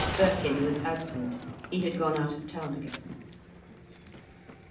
Birkin was absent, he had gone out of town again.